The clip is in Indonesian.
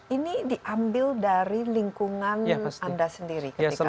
ini diambil dari lingkungan anda sendiri ketika